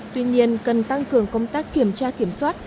tuy nhiên cần tăng cường công tác kiểm tra kiểm soát